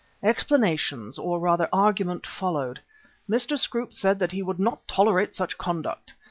Explanations, or rather argument, followed. Mr. Scroope said that he would not tolerate such conduct.